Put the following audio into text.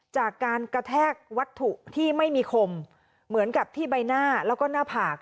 จากการกระแทกวัตถุที่ไม่มีคมเหมือนกับที่ใบหน้าแล้วก็หน้าผาก